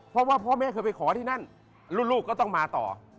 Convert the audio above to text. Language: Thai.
เพราะว่าพ่อแม่เคยไปขอที่นั่นลูกก็ต้องมาต่อ